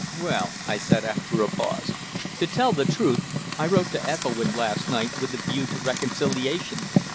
"Well," I said, after a pause, "to tell the truth, I wrote to Ethelwynn last night with a view to reconciliation."